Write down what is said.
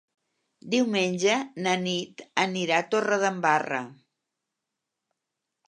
Diumenge na Nit anirà a Torredembarra.